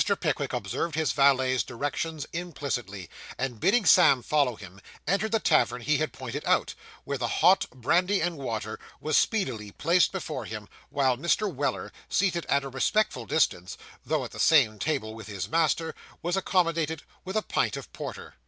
Pickwick observed his valet's directions implicitly, and bidding Sam follow him, entered the tavern he had pointed out, where the hot brandy and water was speedily placed before him; while Mr. Weller, seated at a respectful distance, though at the same table with his master, was accommodated with a pint of porter.